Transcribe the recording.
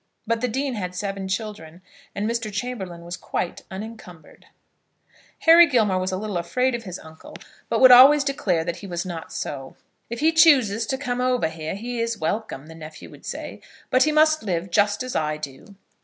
But the dean had seven children, and Mr. Chamberlaine was quite unencumbered. Henry Gilmore was a little afraid of his uncle, but would always declare that he was not so. "If he chooses to come over here he is welcome," the nephew would say; "but he must live just as I do."